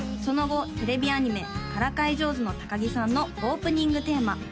その後テレビアニメ「からかい上手の高木さん」のオープニングテーマ